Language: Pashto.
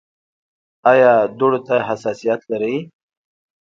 ایا دوړو ته حساسیت لرئ؟